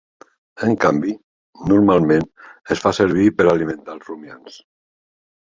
En canvi, normalment es fa servir per alimentar els rumiants.